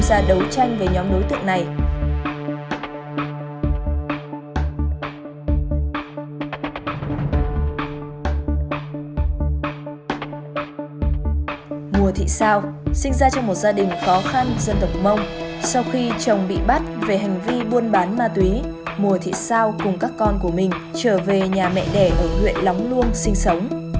sau một gia đình khó khăn dân tộc mông sau khi chồng bị bắt về hành vi buôn bán ma túy mùa thị sao cùng các con của mình trở về nhà mẹ đẻ ở nguyện lóng luông sinh sống